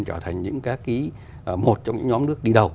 trở thành một trong những nhóm nước đi đầu